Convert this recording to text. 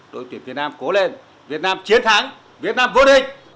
đội tuyển việt nam cố lên việt nam chiến thắng việt nam vô địch